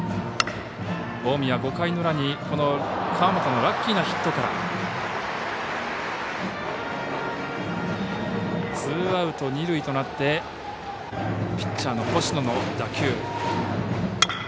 近江は５回の裏に川元のラッキーなヒットからツーアウト、二塁となってピッチャーの星野の打球。